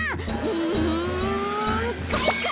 うんかいか！